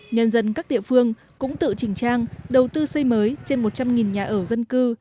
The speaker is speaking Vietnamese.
nhân dân các địa phương cũng tự chỉnh trang đầu tư xây mới trên một trăm linh nhà ở dân cư